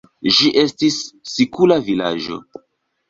Ĝi estis sikula vilaĝo.